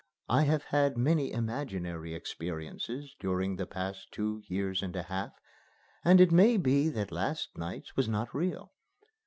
I have had many imaginary experiences during the past two years and a half, and it may be that last night's was not real.